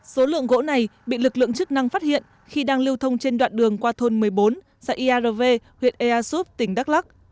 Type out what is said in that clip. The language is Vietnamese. số lượng gỗ này bị lực lượng chức năng phát hiện khi đang lưu thông trên đoạn đường qua thôn một mươi bốn xã iae huyện ea súp tỉnh đắk lắc